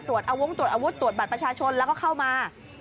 อาวงตรวจอาวุธตรวจบัตรประชาชนแล้วก็เข้ามา